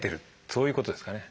そういうことですかね。